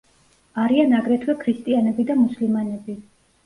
არიან აგრეთვე ქრისტიანები და მუსლიმანები.